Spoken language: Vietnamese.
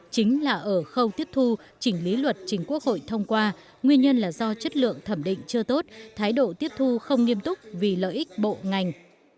chính là ở khâu tiếp thu chỉnh lý luật chính quốc hội thông qua nguyên nhân là do chất lượng thẩm định chưa tốt thái độ tiếp thu không nghiêm túc vì lợi ích bộ ngành